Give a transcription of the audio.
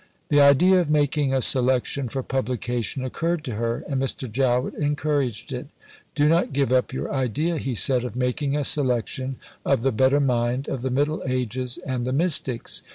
The idea of making a selection for publication occurred to her, and Mr. Jowett encouraged it. "Do not give up your idea," he said, "of making a selection of the better mind of the Middle Ages and the Mystics."